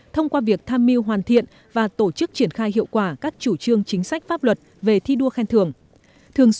thông qua việc tham mưu hoàn thiện và tổ chức triển khai hiệu quả các chủ trương chính sách pháp luật về thi đua khen thường